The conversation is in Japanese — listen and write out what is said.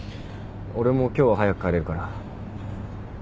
俺も今日は早く帰れるから。